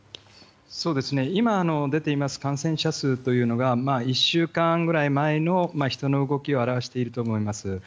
今、出ています感染者数というのが１週間ぐらい前の人の動きを表していると思います。